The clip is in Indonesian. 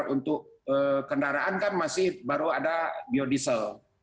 untuk kendaraan kan masih baru ada biodiesel